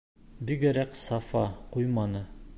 Бигерәк Сафа ҡуйманы: